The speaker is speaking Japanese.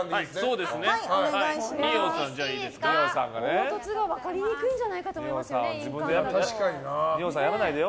凹凸が分かりにくいんじゃないかと思います。